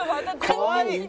かわいい。